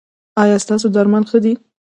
ایا ستاسو درمل ښه دي؟